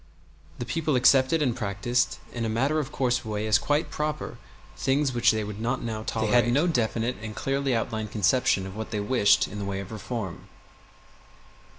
The people accepted and practiced in a matter of course way as quite proper things which they would not now tolerate. They had no definite and clearly outlined conception of what they wished in the way of reform.